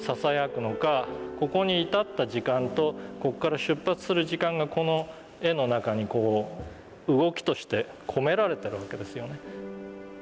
ここに至った時間とこっから出発する時間がこの絵の中に動きとして込められてるわけですよね。